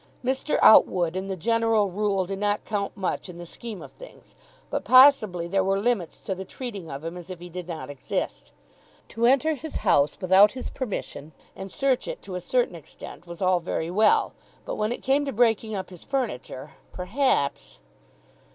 Mr. Outwood in the general rule did not count much in the scheme of things, but possibly there were limits to the treating of him as if he did not exist. To enter his house without his permission and search it to a certain extent was all very well. But when it came to breaking up his furniture, perhaps